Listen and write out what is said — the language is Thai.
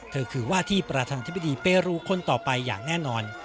คือว่าที่ประธานธิบดีเปรูคนต่อไปอย่างแน่นอน